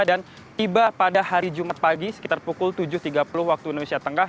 dan tiba pada hari jumat pagi sekitar pukul tujuh tiga puluh waktu indonesia tengah